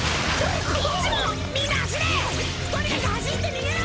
とにかく走って逃げろ！